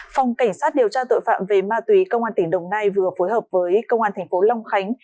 phòng cảnh sát điều tra tội phạm về ma túy công an tỉnh đồng nai vừa phối hợp với công an thành phố long khánh